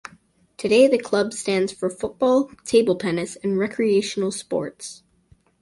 Today the club stands for football, table tennis and recreational sports.